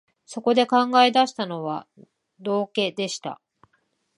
そこで考え出したのは、道化でした